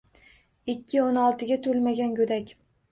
Ikki o’n oltiga to’lmagan go’dak